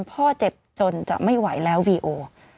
พ่อเจ็บจนจะไม่ไหวแล้ววีโอ